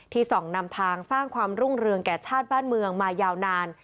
ส่องนำทางสร้างความรุ่งเรืองแก่ชาติบ้านเมืองมายาวนาน